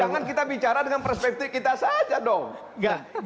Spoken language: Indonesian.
jangan kita bicara dengan perspektif kita saja dong